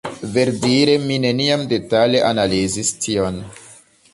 Verdire mi neniam detale analizis tion.